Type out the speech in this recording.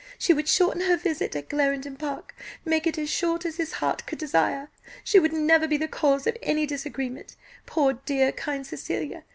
She would shorten her visit at Clarendon Park make it as short as his heart could desire, she would never be the cause of any disagreement poor, dear, kind Cecilia!